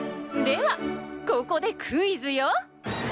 ではここでクイズよ！